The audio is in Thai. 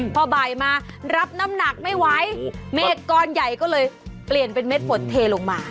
พอบ่ายมารับน้ำหนักไม่ไหวเมฆก้อนใหญ่ก็เลยเปลี่ยนเป็นเม็ดฝนเทลงมา